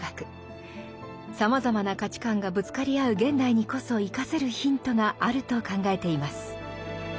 さまざまな価値観がぶつかり合う現代にこそ生かせるヒントがあると考えています。